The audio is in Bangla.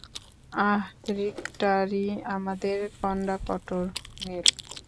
আহ, রিক্টারই আমাদের কন্ডাকটর, মেল।